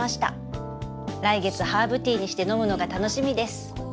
来月ハーブティーにして飲むのが楽しみです。